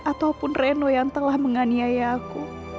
ataupun reno yang telah menganiaya aku